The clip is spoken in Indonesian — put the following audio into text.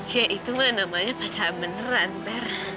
ya itu mah namanya pacaran beneran ter